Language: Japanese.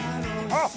あっ！